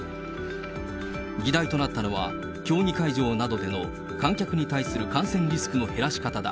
議題となったのは、競技会場などでの観客に対する感染リスクの減らし方だ。